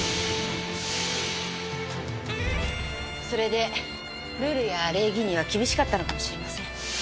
それでルールや礼儀には厳しかったのかもしれません。